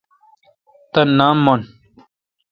تان نام من۔